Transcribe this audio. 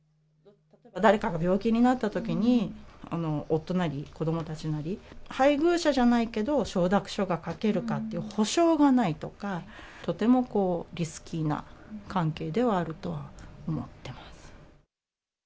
誰かが病気になったときに、夫なり子どもたちなり、配偶者じゃないけど承諾書が書けるとかっていう保証がないとか、とてもリスキーな関係ではあるとは思ってます。